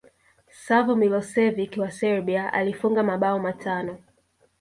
savo milosevic wa serbia alifunga mabao matano